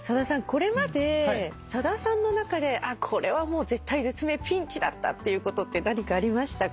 これまでさださんの中でこれはもう絶体絶命ピンチだったっていうことって何かありましたか？